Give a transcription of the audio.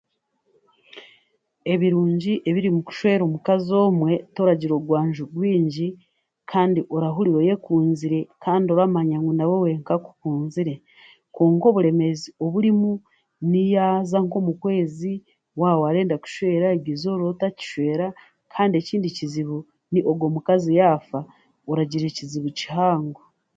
Ebirungi ebiri mukushwera omukazi omwe, toragira ogwanju rwingi kandi orahurira oyeekunzire kandi oramanya ngu nawe wenka akukunzire, kwonka oburemeezi oburimu, niyaaza nk'omukwezi waawarenda kushwera eryo eizooba otakishwera kandi ekindi kizibu ni ogwo mukazi yaafa, oragira ekizibu kihango.